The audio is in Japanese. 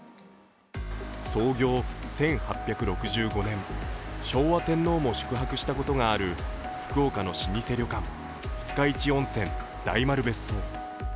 創業１８６５年、昭和天皇も宿泊したことがある福岡の老舗旅館、二日市温泉大丸別荘。